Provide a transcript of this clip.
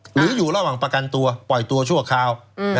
หรืออยู่ระหว่างประกันตัวปล่อยตัวชั่วคราว